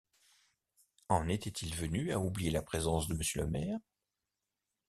En était-il venu à oublier la présence de monsieur le maire?